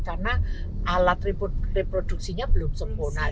karena alat reproduksinya belum sempurna